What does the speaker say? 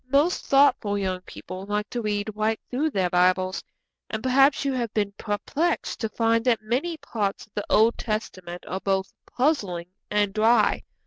Most thoughtful young people like to read right through their Bibles, and perhaps you have been perplexed to find that many parts of the Old Testament are both puzzling and dry.